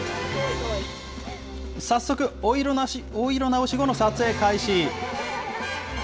早速、お色直し後の撮影開始。